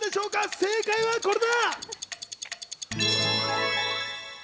正解は、これだ！